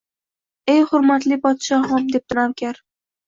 Ey, hurmatli podshohim, debdi navkar